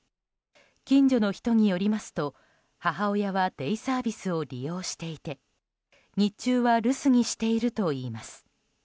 近所の人によりますと、母親はデイサービスを利用していて日中は留守にしているといいます。